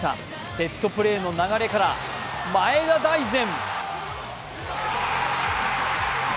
セットプレーの流れから前田大然！